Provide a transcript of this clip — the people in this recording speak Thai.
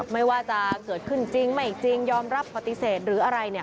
ไม่ว่าจะเกิดขึ้นจริงไม่จริงยอมรับปฏิเสธหรืออะไรเนี่ย